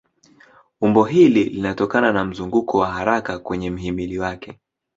Umbo hili linatokana na mzunguko wa haraka kwenye mhimili wake.